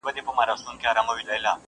لا به تر کله دا لمبې بلېږي!!